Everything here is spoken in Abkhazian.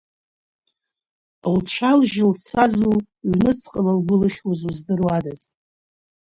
Лцәалжь лцазу, ҩныҵҟала лгәы лыхьуазу здыруадаз.